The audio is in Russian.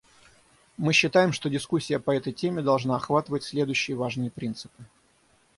Мы считаем, что дискуссия по этой теме должна охватывать следующие важные принципы: